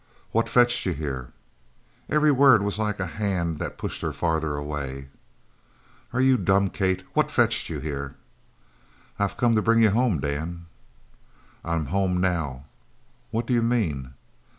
"What fetched you here?" Every word was like a hand that pushed her farther away. "Are you dumb, Kate? What fetched you here?" "I have come to bring you home, Dan." "I'm home now." "What do you mean?"